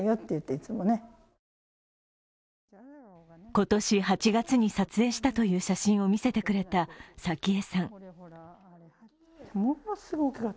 今年８月に撮影したという写真を見せてくれた早紀江さん。